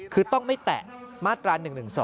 คือต้องไม่แตะมาตรา๑๑๒